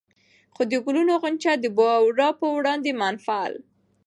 خو د ګلو غونچه د بورا پر وړاندې منفعل